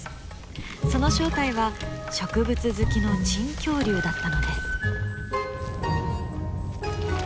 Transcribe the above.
その正体は植物好きの珍恐竜だったのです。